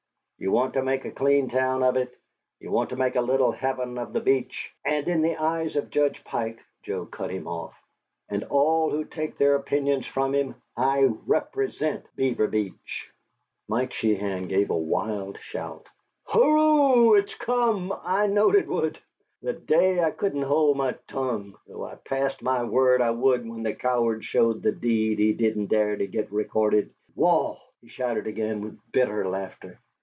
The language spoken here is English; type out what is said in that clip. Ye want to make a clean town of it, ye want to make a little heaven of the Beach " "And in the eyes of Judge Pike," Joe cut him off, "and of all who take their opinions from him, I REPRESENT Beaver Beach!" Mike Sheehan gave a wild shout. "Whooroo! It's come! I knowed it would! The day I couldn't hold my tongue, though I passed my word I would when the coward showed the deed he didn't dare to git recorded! Waugh!" He shouted again, with bitter laughter.